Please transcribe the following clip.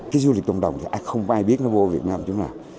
cái du lịch tôn đồng thì không ai biết nó vô việt nam chúng ta làm